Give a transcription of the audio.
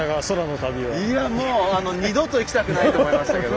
いやもう二度と行きたくないと思いましたけど。